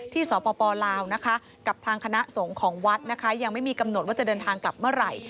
ที่สปลาวกับทางคณะสงของวัดยังไม่มีกำหนดว่าจะเดินทางกลับเมื่อไหร่